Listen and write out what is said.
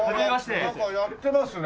なんかやってますね。